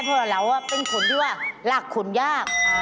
เพราะเราเป็นคนที่ว่าหลักขุนยาก